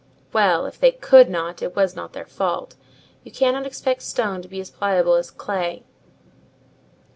"Well, if they could not, it was not their fault: you cannot expect stone to be as pliable as clay."